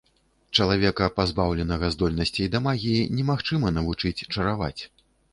Чалавека, пазбаўленага здольнасцей да магіі, немагчыма навучыць чараваць.